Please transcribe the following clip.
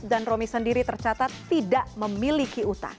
dan romi sendiri tercatat tidak memiliki utang